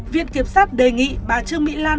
việc kiểm sát đề nghị bà trương mỹ lan